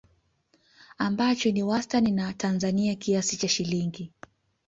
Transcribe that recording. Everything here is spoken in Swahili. ambacho ni wastani wa Tanzania kiasi cha shilingi